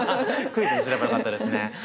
クイズにすればよかったですね。